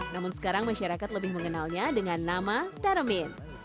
namun sekarang masyarakat lebih mengenalnya dengan nama teramin